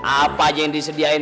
apa saja yang disediakan